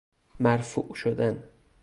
مرفوع شدن